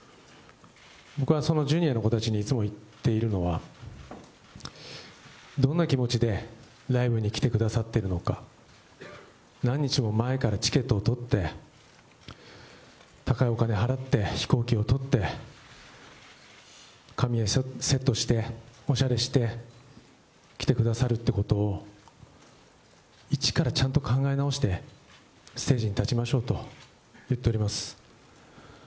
僕はそのジュニアの子たちにいつも言っているのは、どんな気持ちでライブに来てくださっているのか、何日も前からチケットを取って、高いお金払って、飛行機を取って、髪をセットして、おしゃれして来てくださるってことを、一からちゃんと考え直してステージに立ちましょうと言っております。